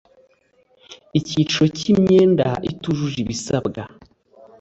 icyiciro cy’imyenda itujuje ibisabwa